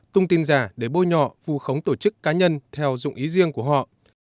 tông tin giả để bôi nhọ vu khống tổ chức cá nhân theo dụng ý riêng của họ